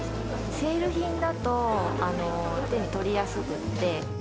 セール品だと手に取りやすくって。